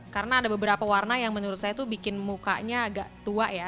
karena ada beberapa warna yang menurut saya tuh bikin mukanya agak tua ya